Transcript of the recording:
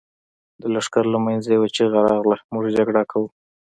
د لښکر له مينځه يوه چيغه راغله! موږ جګړه کوو.